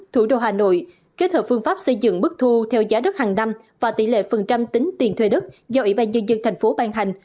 thủ đô hà nội kết hợp phương pháp xây dựng bức thu theo giá đất hàng năm và tỷ lệ phần trăm tính tiền thuê đất do ủy ban nhân dân thành phố ban hành